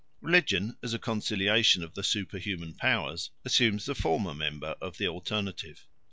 Religion, as a conciliation of the superhuman powers, assumes the former member of the alternative.